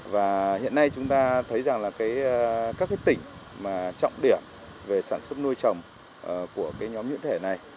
và hiện nay chúng ta thấy rằng là các cái tỉnh mà trọng điểm về sản xuất nuôi trồng của cái nhóm nhuyễn thể này